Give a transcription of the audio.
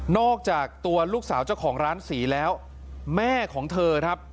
อกจากตัวลูกสาวเจ้าของร้านศรีแล้วแม่ของเธอครับ